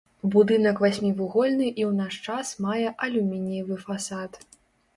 Будынак васьмівугольны і ў наш час мае алюмініевы фасад.